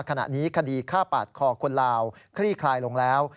คดีฆ่าปาดคอคนลาวคลี่คลายลงแล้ว